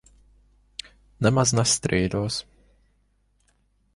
Nemaz nestrīdos.